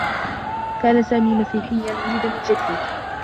كان سامي مسيحيّا وُلد من جديد.